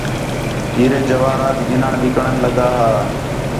ہیرے، جواہرات گِنّݨ وِکݨ لڳا ہا